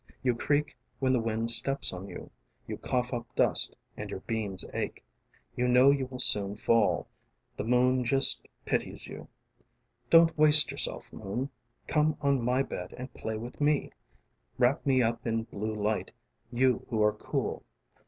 You creak when the wind steps on youŌĆö you cough up dust and your beams acheŌĆö you know you will soon fall, the moon just pities you! Don't waste yourself moonŌĆö come on my bed and play with me. Wrap me up in blue light, you who are cool.